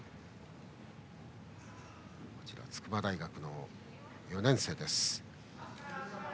筑波大学の４年生です。